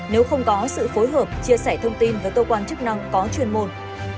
nếu không có sự phối hợp chia sẻ thông tin với cơ quan chức năng có chuyên môn